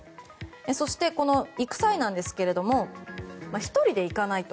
そして、この行く際なんですが１人で行かないと。